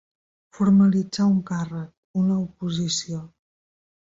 Formalitzar un càrrec, una oposició.